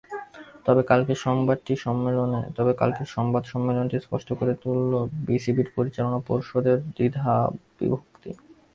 তবে কালকের সংবাদ সম্মেলনটি স্পষ্ট করে তুলল বিসিবির পরিচালনা পর্ষদের দ্বিধাবিভক্তি।